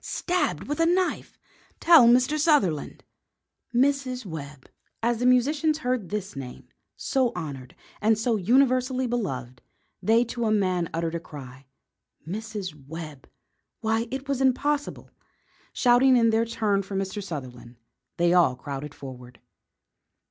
Stabbed with a knife! Tell Mr. Sutherland!" Mrs. Webb! As the musicians heard this name, so honoured and so universally beloved, they to a man uttered a cry. Mrs. Webb! Why, it was impossible. Shouting in their turn for Mr. Sutherland, they all crowded forward.